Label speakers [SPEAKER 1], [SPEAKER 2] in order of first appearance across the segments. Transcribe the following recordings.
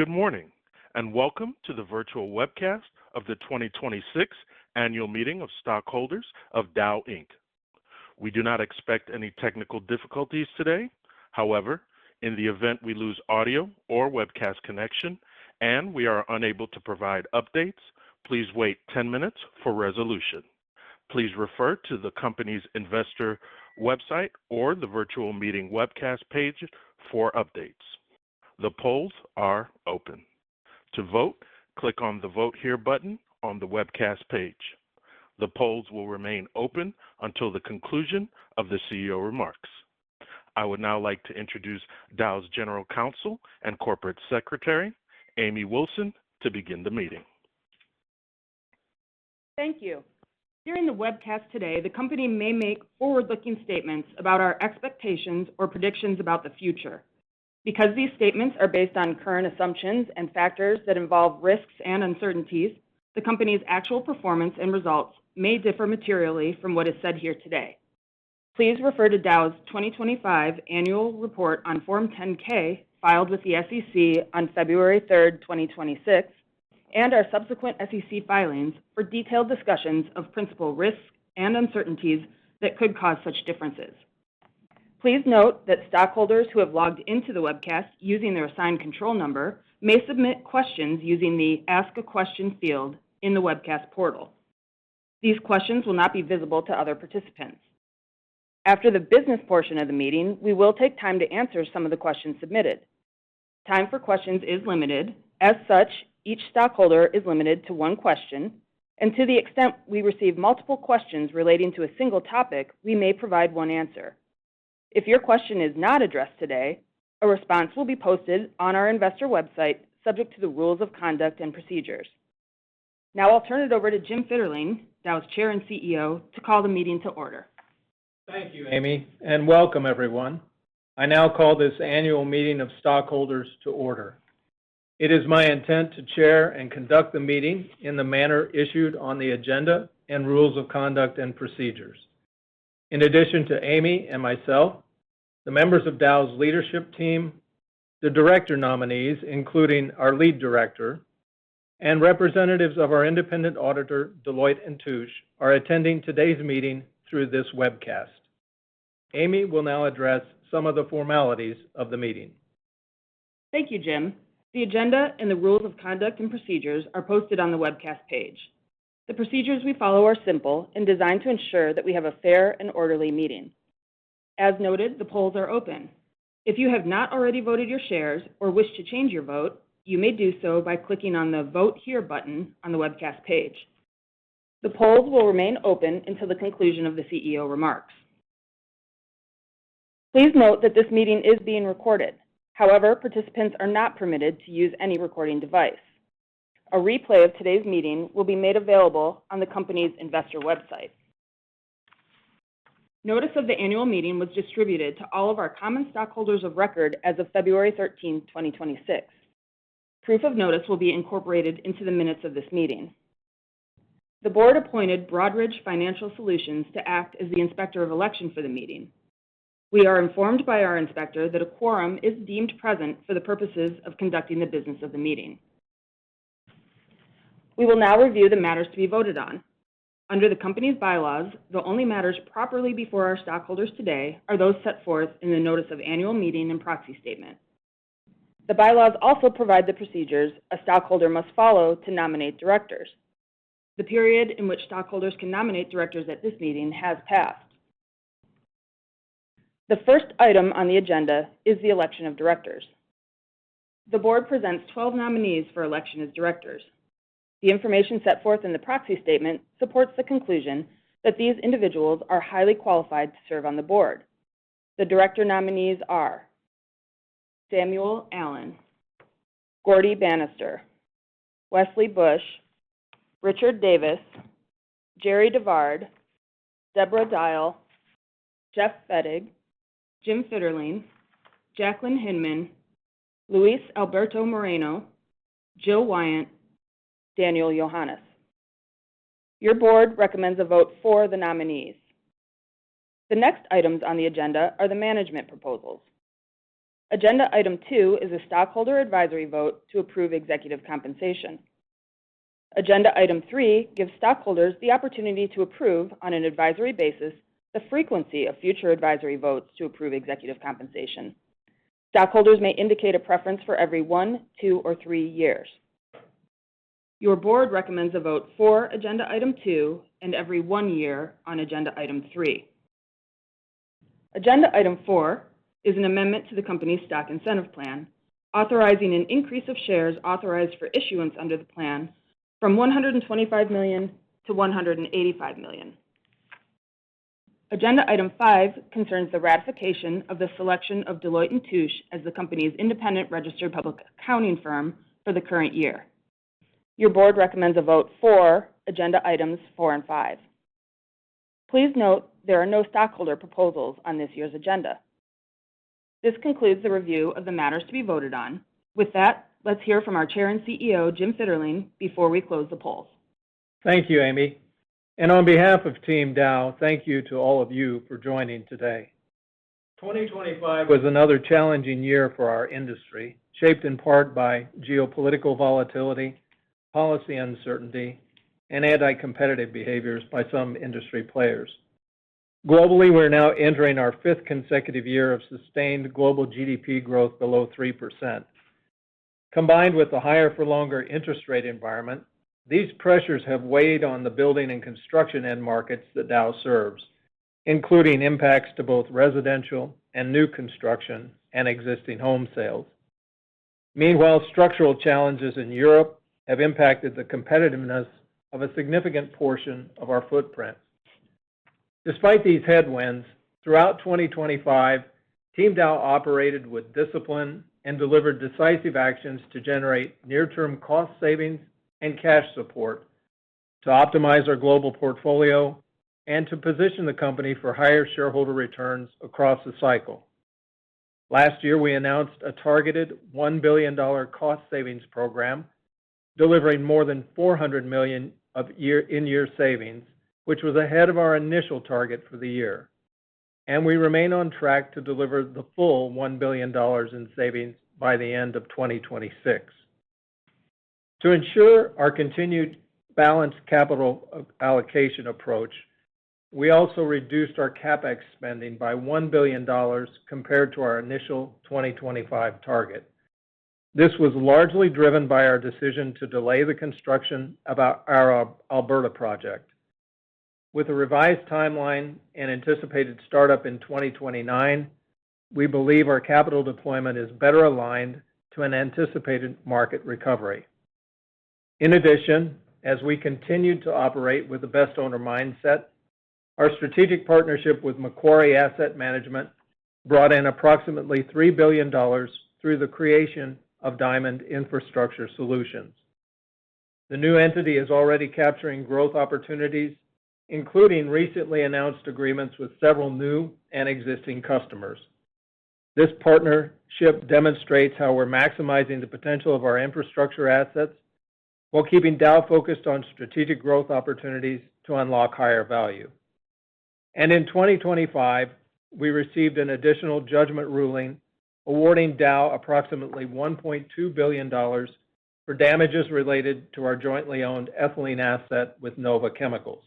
[SPEAKER 1] Good morning, and welcome to the virtual webcast of the 2026 Annual Meeting of Stockholders of Dow Inc. We do not expect any technical difficulties today. However, in the event we lose audio or webcast connection and we are unable to provide updates, please wait 10 minutes for resolution. Please refer to the company's Investor website or the virtual meeting webcast page for updates. The polls are open. To vote, click on the Vote Here button on the webcast page. The polls will remain open until the conclusion of the CEO remarks. I would now like to introduce Dow's General Counsel and Corporate Secretary, Amy Wilson, to begin the meeting.
[SPEAKER 2] Thank you. During the webcast today, the company may make forward-looking statements about our expectations or predictions about the future. Because these statements are based on current assumptions and factors that involve risks and uncertainties, the company's actual performance and results may differ materially from what is said here today. Please refer to Dow's 2025 annual report on Form 10-K, filed with the SEC on February 3rd, 2026, and our subsequent SEC filings for detailed discussions of principal risks and uncertainties that could cause such differences. Please note that stockholders who have logged into the webcast using their assigned control number may submit questions using the Ask a Question field in the webcast portal. These questions will not be visible to other participants. After the business portion of the meeting, we will take time to answer some of the questions submitted. Time for questions is limited. As such, each stockholder is limited to one question. To the extent we receive multiple questions relating to a single topic, we may provide one answer. If your question is not addressed today, a response will be posted on our Investor website, subject to the rules of conduct and procedures. Now I'll turn it over to Jim Fitterling, Dow's Chair and CEO, to call the meeting to order.
[SPEAKER 3] Thank you, Amy, and welcome everyone. I now call this annual meeting of stockholders to order. It is my intent to chair and conduct the meeting in the manner issued on the agenda and rules of conduct and procedures. In addition to Amy and myself, the members of Dow's leadership team, the director nominees, including our Lead Director, and representatives of our independent auditor, Deloitte & Touche, are attending today's meeting through this webcast. Amy will now address some of the formalities of the meeting.
[SPEAKER 2] Thank you, Jim. The agenda and the rules of conduct and procedures are posted on the webcast page. The procedures we follow are simple and designed to ensure that we have a fair and orderly meeting. As noted, the polls are open. If you have not already voted your shares or wish to change your vote, you may do so by clicking on the Vote Here button on the webcast page. The polls will remain open until the conclusion of the CEO remarks. Please note that this meeting is being recorded. However, participants are not permitted to use any recording device. A replay of today's meeting will be made available on the company's Investor website. Notice of the annual meeting was distributed to all of our common stockholders of record as of February 13th, 2026. Proof of notice will be incorporated into the minutes of this meeting. The Board appointed Broadridge Financial Solutions to act as the inspector of election for the meeting. We are informed by our inspector that a quorum is deemed present for the purposes of conducting the business of the meeting. We will now review the matters to be voted on. Under the Company's bylaws, the only matters properly before our stockholders today are those set forth in the Notice of Annual Meeting and Proxy Statement. The bylaws also provide the procedures a stockholder must follow to nominate directors. The period in which stockholders can nominate directors at this meeting has passed. The first item on the agenda is the election of directors. The Board presents 12 nominees for election as directors. The information set forth in the Proxy Statement supports the conclusion that these individuals are highly qualified to serve on the Board. The director nominees are Samuel Allen, Gaurdie Banister, Wesley Bush, Richard Davis, Jerri DeVard, Deborah Dial, Jeff Fettig, Jim Fitterling, Jacqueline Hinman, Luis Alberto Moreno, Jill Wyant, Daniel Yohannes. Your board recommends a vote for the nominees. The next items on the agenda are the management proposals. Agenda item two is a stockholder advisory vote to approve executive compensation. Agenda item three gives stockholders the opportunity to approve, on an advisory basis, the frequency of future advisory votes to approve executive compensation. Stockholders may indicate a preference for every one, two, or three years. Your board recommends a vote for agenda item two and every one year on agenda item three. Agenda item four is an amendment to the company's stock incentive plan, authorizing an increase of shares authorized for issuance under the plan from 125 million to 185 million. Agenda item five concerns the ratification of the selection of Deloitte & Touche as the Company's independent registered public accounting firm for the current year. Your Board recommends a vote for agenda items four and five. Please note there are no stockholder proposals on this year's agenda. This concludes the review of the matters to be voted on. With that, let's hear from our Chair and CEO, Jim Fitterling, before we close the polls.
[SPEAKER 3] Thank you, Amy. On behalf of Team Dow, thank you to all of you for joining today. 2025 was another challenging year for our industry, shaped in part by geopolitical volatility, policy uncertainty, and anticompetitive behaviors by some industry players. Globally, we're now entering our fifth consecutive year of sustained global GDP growth below 3%. Combined with the higher-for-longer interest rate environment, these pressures have weighed on the building and construction end markets that Dow serves, including impacts to both residential and new construction and existing home sales. Meanwhile, structural challenges in Europe have impacted the competitiveness of a significant portion of our footprint. Despite these headwinds, throughout 2025, Team Dow operated with discipline and delivered decisive actions to generate near-term cost savings and cash support to optimize our global portfolio and to position the company for higher shareholder returns across the cycle. Last year, we announced a targeted $1 billion cost savings program, delivering more than $400 million of in-year savings, which was ahead of our initial target for the year. We remain on track to deliver the full $1 billion in savings by the end of 2026. To ensure our continued balanced capital allocation approach, we also reduced our CapEx spending by $1 billion compared to our initial 2025 target. This was largely driven by our decision to delay the construction of our Alberta project. With a revised timeline and anticipated startup in 2029, we believe our capital deployment is better aligned to an anticipated market recovery. In addition, as we continue to operate with the best owner mindset, our strategic partnership with Macquarie Asset Management brought in approximately $3 billion through the creation of Diamond Infrastructure Solutions. The new entity is already capturing growth opportunities, including recently announced agreements with several new and existing customers. This partnership demonstrates how we're maximizing the potential of our infrastructure assets while keeping Dow focused on strategic growth opportunities to unlock higher value. In 2025, we received an additional judgment ruling awarding Dow approximately $1.2 billion for damages related to our jointly owned ethylene asset with NOVA Chemicals.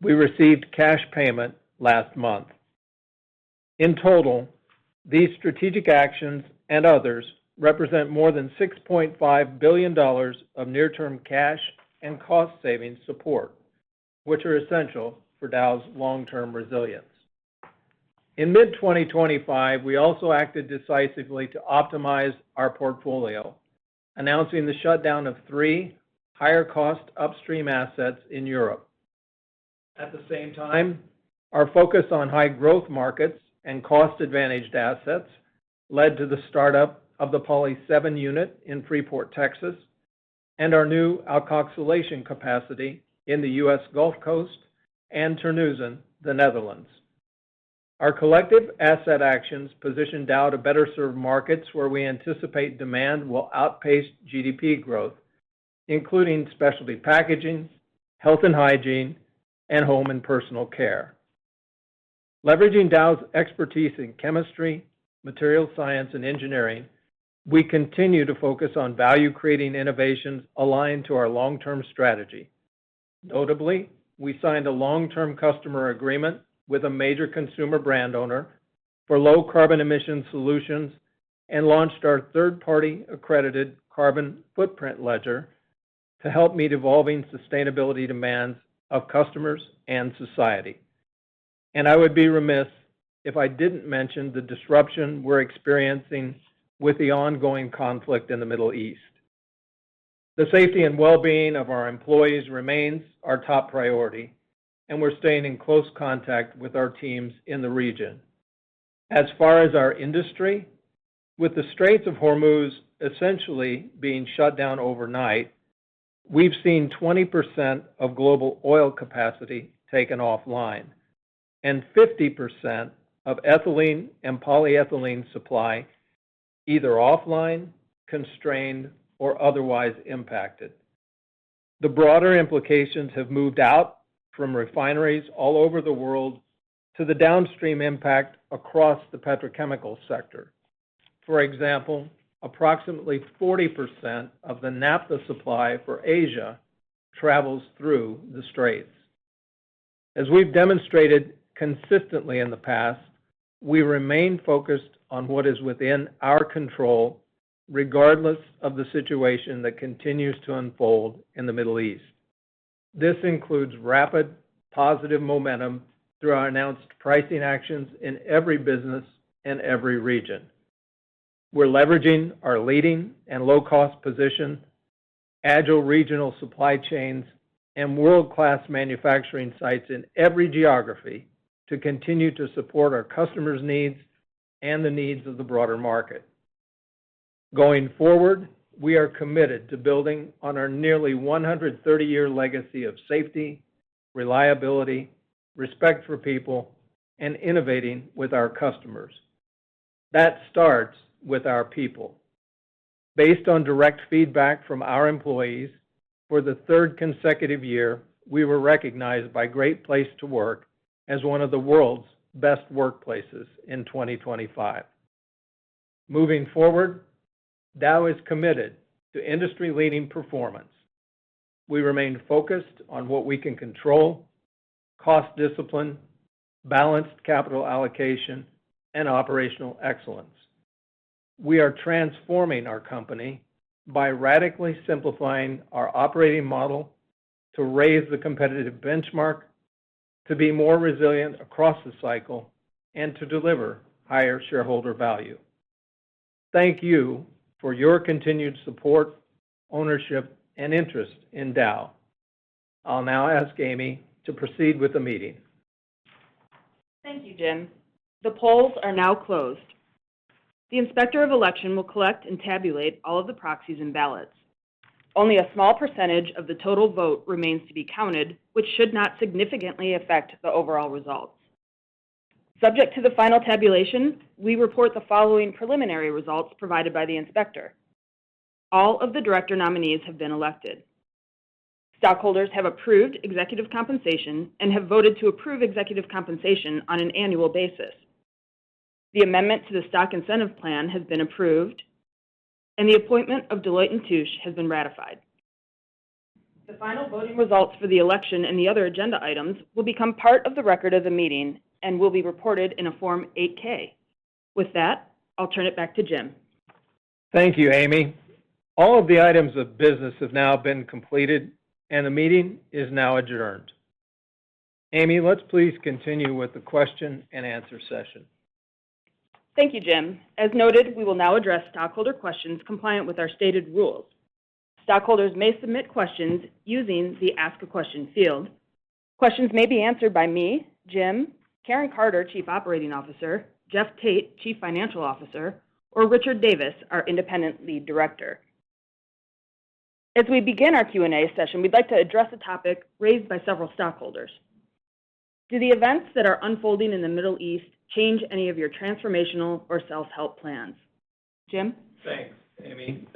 [SPEAKER 3] We received cash payment last month. In total, these strategic actions and others represent more than $6.5 billion of near-term cash and cost savings support, which are essential for Dow's long-term resilience. In mid-2025, we also acted decisively to optimize our portfolio, announcing the shutdown of three higher cost upstream assets in Europe. At the same time, our focus on high-growth markets and cost-advantaged assets led to the startup of the Poly-7 unit in Freeport, Texas, and our new alkoxylation capacity in the U.S. Gulf Coast and Terneuzen, the Netherlands. Our collective asset actions position Dow to better serve markets where we anticipate demand will outpace GDP growth, including specialty packaging, health and hygiene, and home and personal care. Leveraging Dow's expertise in chemistry, materials science, and engineering, we continue to focus on value-creating innovations aligned to our long-term strategy. Notably, we signed a long-term customer agreement with a major consumer brand owner for low-carbon emission solutions and launched our third-party accredited carbon footprint ledger to help meet evolving sustainability demands of customers and society. I would be remiss if I didn't mention the disruption we're experiencing with the ongoing conflict in the Middle East. The safety and well-being of our employees remains our top priority, and we're staying in close contact with our teams in the region. As far as our industry, with the Strait of Hormuz essentially being shut down overnight, we've seen 20% of global oil capacity taken offline and 50% of ethylene and polyethylene supply either offline, constrained, or otherwise impacted. The broader implications have moved out from refineries all over the world to the downstream impact across the petrochemical sector. For example, approximately 40% of the naphtha supply for Asia travels through the Straits. As we've demonstrated consistently in the past, we remain focused on what is within our control, regardless of the situation that continues to unfold in the Middle East. This includes rapid positive momentum through our announced pricing actions in every business, in every region. We're leveraging our leading and low-cost position, agile regional supply chains, and world-class manufacturing sites in every geography to continue to support our customers' needs and the needs of the broader market. Going forward, we are committed to building on our nearly 130-year legacy of safety, reliability, respect for people, and innovating with our customers. That starts with our people. Based on direct feedback from our employees, for the third consecutive year, we were recognized by Great Place to Work as one of the world's best workplaces in 2025. Moving forward, Dow is committed to industry-leading performance. We remain focused on what we can control, cost discipline, balanced capital allocation, and operational excellence. We are transforming our company by radically simplifying our operating model to raise the competitive benchmark to be more resilient across the cycle and to deliver higher shareholder value. Thank you for your continued support, ownership, and interest in Dow. I'll now ask Amy to proceed with the meeting.
[SPEAKER 2] Thank you, Jim. The polls are now closed. The Inspector of Election will collect and tabulate all of the proxies and ballots. Only a small percentage of the total vote remains to be counted, which should not significantly affect the overall results. Subject to the final tabulation, we report the following preliminary results provided by the Inspector. All of the director nominees have been elected. Stockholders have approved executive compensation and have voted to approve executive compensation on an annual basis. The amendment to the stock incentive plan has been approved, and the appointment of Deloitte & Touche has been ratified. The final voting results for the election and the other agenda items will become part of the record of the meeting and will be reported in a Form 8-K. With that, I'll turn it back to Jim.
[SPEAKER 3] Thank you, Amy. All of the items of business have now been completed, and the meeting is now adjourned. Amy, let's please continue with the question and answer session.
[SPEAKER 2] Thank you, Jim. As noted, we will now address stockholder questions compliant with our stated rules. Stockholders may submit questions using the Ask a Question field. Questions may be answered by me, Jim, Karen Carter, Chief Operating Officer, Jeff Tate, Chief Financial Officer, or Richard Davis, our Independent Lead Director. As we begin our Q&A session, we'd like to address a topic raised by several stockholders. Do the events that are unfolding in the Middle East change any of your transformational or self-help plans? Jim?
[SPEAKER 3] Thanks, Amy.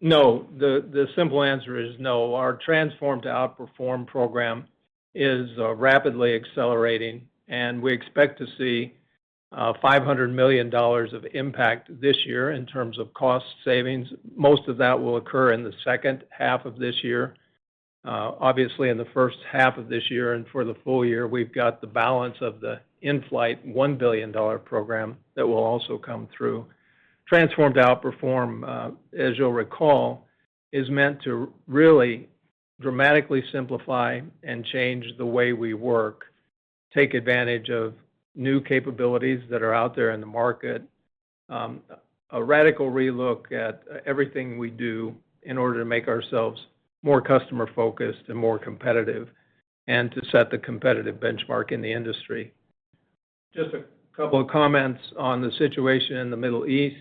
[SPEAKER 3] No, the simple answer is no. Our Transform to Outperform program is rapidly accelerating, and we expect to see $500 million of impact this year in terms of cost savings. Most of that will occur in the second half of this year. Obviously, in the first half of this year and for the full year, we've got the balance of the in-flight $1 billion program that will also come through. Transform to Outperform, as you'll recall, is meant to really dramatically simplify and change the way we work, take advantage of new capabilities that are out there in the market, a radical relook at everything we do in order to make ourselves more customer-focused and more competitive, and to set the competitive benchmark in the industry. Just a couple of comments on the situation in the Middle East,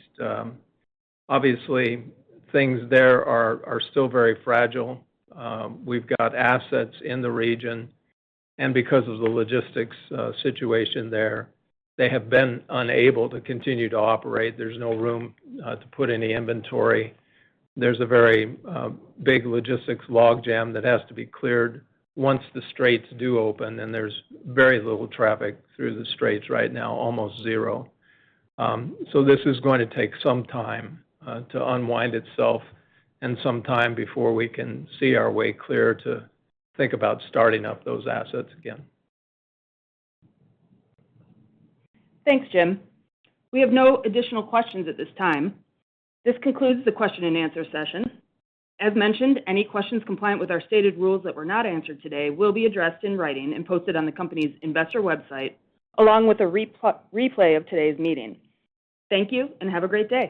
[SPEAKER 3] obviously, things there are still very fragile. We've got assets in the region, and because of the logistics situation there, they have been unable to continue to operate. There's no room to put any inventory. There's a very big logistics logjam that has to be cleared once the straits do open, and there's very little traffic through the straits right now, almost zero. This is going to take some time to unwind itself and some time before we can see our way clear to think about starting up those assets again.
[SPEAKER 2] Thanks, Jim. We have no additional questions at this time. This concludes the question and answer session. As mentioned, any questions compliant with our stated rules that were not answered today will be addressed in writing and posted on the company's Investor website along with a replay of today's meeting. Thank you and have a great day.